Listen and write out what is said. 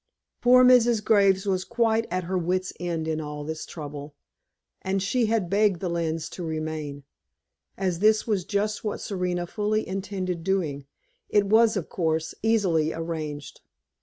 Poor Mrs. Graves was quite at her wits' end in all this trouble, and she had begged the Lynnes to remain. As this was just what Serena fully intended doing, it was, of course, easily arranged.